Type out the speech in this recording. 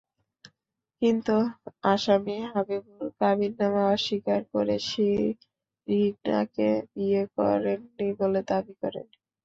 কিন্তু আসামি হাবিবুর কাবিননামা অস্বীকার করে শিরিনাকে বিয়ে করেননি বলে দাবি করেন।